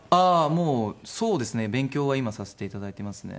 もうそうですね勉強は今させていただいていますね。